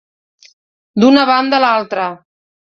D'una banda a l'altra.